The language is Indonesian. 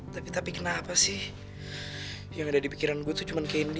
tapi tapi kenapa sih yang ada di pikiran gue itu cuma candy